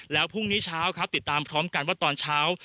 แล้วพรุ่งนี้เช้าครับติดตามพร้อมกันว่าตอนเช้า